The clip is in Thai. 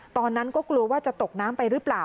ตอนนั้นก็กลัวว่าจะตกน้ำไปหรือเปล่า